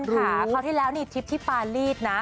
คือคุณพาเมื่อแล้วเนี่ยทริปที่ปารีดนะ